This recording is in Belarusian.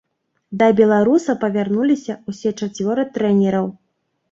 Да беларуса павярнуліся ўсе чацвёра трэнераў.